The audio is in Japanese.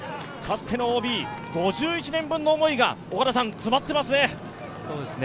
かつてのＯＢ、５１年分の思いが詰まっていますね。